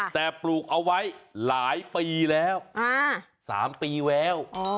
แต่ปลูกเอาไว้หลายปีแล้ว๓ปีแล้ว